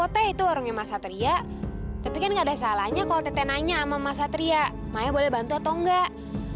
tete nanya sama mas satria maya boleh bantu atau enggak